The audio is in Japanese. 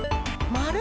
まる！